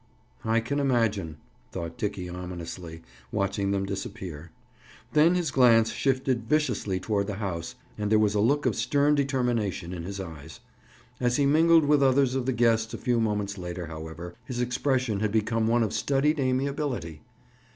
"I can imagine," thought Dickie ominously, watching them disappear. Then his glance shifted viciously toward the house, and there was a look of stern determination in his eyes. As he mingled with others of the guests a few moments later, however, his expression had become one of studied amiability.